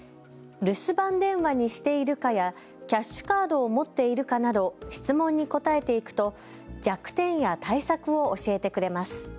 留守番電話にしているかや、キャッシュカードを持っているかなど質問に答えていくと弱点や対策を教えてくれます。